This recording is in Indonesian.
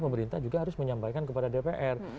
pemerintah juga harus menyampaikan kepada dpr